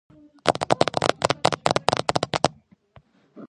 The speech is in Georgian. თუმცა წყვილური წარმოდგენებიც მიღებულია.